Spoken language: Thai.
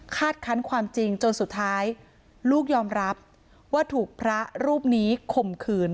คันความจริงจนสุดท้ายลูกยอมรับว่าถูกพระรูปนี้ข่มขืน